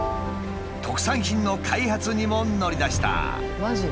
特産品の開発にも乗り出した。